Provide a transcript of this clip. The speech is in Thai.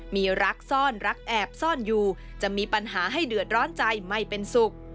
มีรักซ่อนรักแอบซ่อนอยู่จะมีปัญหาให้เดือดร้อนใจไม่เป็นสุข